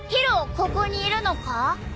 ここにいるのか？